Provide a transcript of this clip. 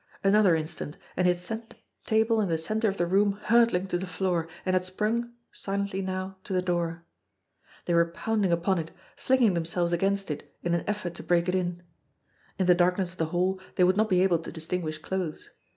Another in stant, and he had sent the table in the centre of the room hurtling to the floor, and had sprung silently now to the door. They were pounding upon it, flinging themselves against it in an effort to break it in. In the darkness of the hall they would not be able to distinguish clothes.